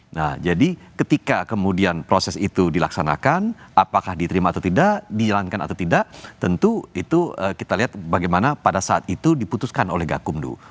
nah jadi ketika kemudian proses itu dilaksanakan apakah diterima atau tidak dijalankan atau tidak tentu itu kita lihat bagaimana pada saat itu diputuskan oleh gakumdu